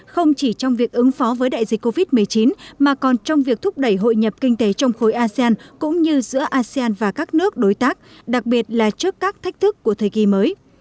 không chỉ trong việc ứng phó với đại dịch covid một mươi chín mà còn trong việc thúc đẩy hội nhập kinh tế trong khối asean cũng như giữa asean và các nước đối tác đặc biệt là trước các thách thức của thời kỳ mới